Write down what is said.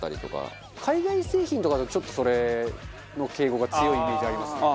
海外製品とかだとちょっとそれの傾向が強いイメージありますね。